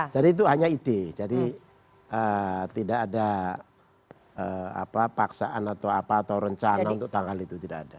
itu hanya ide jadi tidak ada paksaan atau apa atau rencana untuk tanggal itu tidak ada